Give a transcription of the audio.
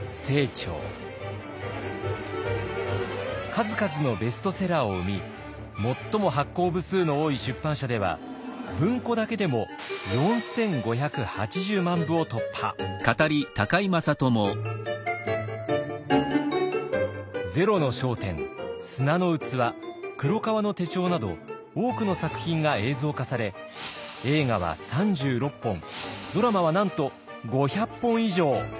数々のベストセラーを生み最も発行部数の多い出版社では文庫だけでも４，５８０万部を突破。など多くの作品が映像化され映画は３６本ドラマはなんと５００本以上。